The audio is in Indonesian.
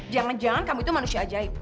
jangan jangan kamu itu manusia ajaib